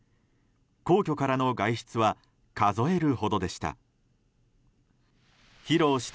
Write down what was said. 皇居からの外出は数えるほどでした。